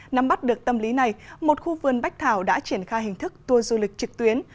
nắm bắt được tâm lý này một khu vườn bách thảo đã triển khai hình thức tour du lịch trực tuyến